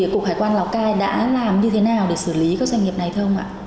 cục hải quan lào cai đã làm như thế nào để xử lý các doanh nghiệp này không ạ